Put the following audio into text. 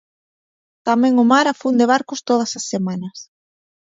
Tamén o mar afunde barcos todas as semanas.